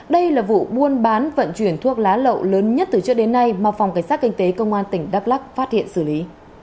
đây là vụ buôn bán vận chuyển thuốc lá lậu lớn nhất từ trước đến nay mà phòng cảnh sát kinh tế công an tỉnh đắk lắc phát hiện xử lý